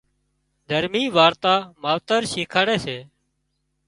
دهرمي وارتا ماوتر شيکاڙي سي